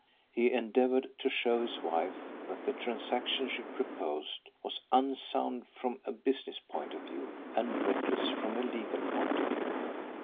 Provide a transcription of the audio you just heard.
He endeavoured to show his wife that the transaction she proposed was unsound from a business point of view and reckless from a legal point of view.